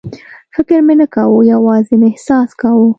فکر مې نه کاوه، یوازې مې احساس کاوه.